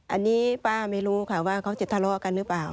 อันนี้ป้าไม่รู้ค่ะว่าเขาจะทะเลาะกันหรือเปล่า